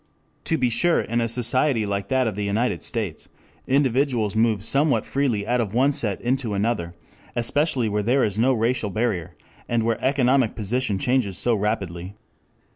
To be sure in a society like that of the United States, individuals move somewhat freely out of one set into another, especially where there is no racial barrier and where economic position changes so rapidly.